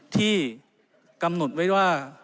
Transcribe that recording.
ที่กำหนดไว้ว่า